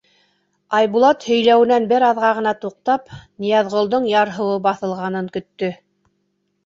Айбулат һөйләүенән бер аҙға ғына туҡтап, Ныязғолдоң ярһыуы баҫылғанын көттө.